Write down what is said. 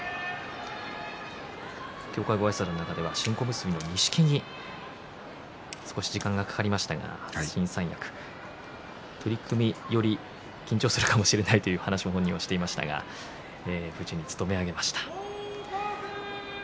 協会ごあいさつの中では新小結の錦木少し時間がかかりましたが新三役取組より緊張するかもしれないという話を本人はしていましたが無事に務め上げました。